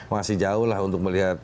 masih jauh lah untuk melihat